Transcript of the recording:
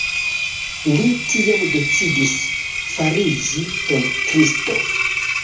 Li tiam decidis fariĝi pentristo.